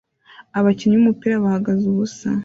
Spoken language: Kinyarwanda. Abakinnyi b'umupira bahagaze ubusa